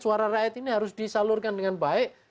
suara rakyat ini harus disalurkan dengan baik